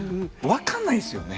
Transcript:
分かんないっすよね。